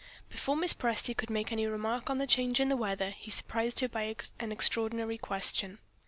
Before Mrs. Presty could make any remark on the change in the weather, he surprised her by an extraordinary question.